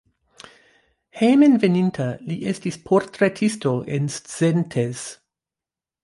Hejmenveninta li estis portretisto en Szentes.